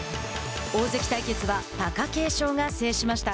大関対決は貴景勝が制しました。